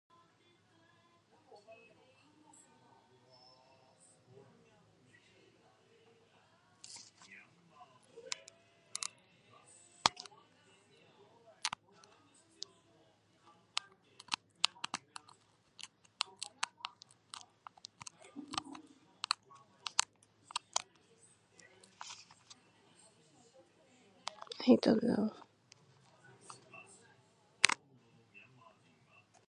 [background speech] I don't know.